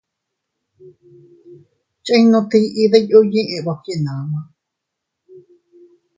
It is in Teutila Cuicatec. Chinnu tiʼi diyu yiʼi bagyenama.